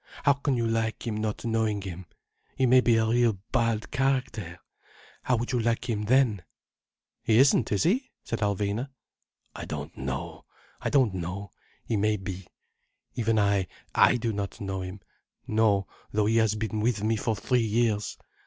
How can you like him, not knowing him? He may be a real bad character. How would you like him then?" "He isn't, is he?" said Alvina. "I don't know. I don't know. He may be. Even I, I don't know him—no, though he has been with me for three years.